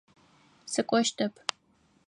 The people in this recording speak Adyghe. Сыкӏощтэп.